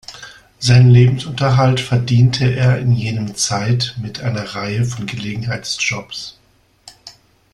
Seinen Lebensunterhalt verdiente er in jener Zeit mit einer Reihe von Gelegenheitsjobs.